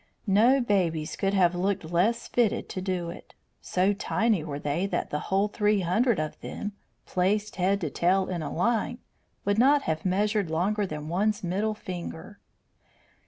No babies could have looked less fitted to do it. So tiny were they that the whole three hundred of them, placed head to tail in a line, would not have measured longer than one's middle finger.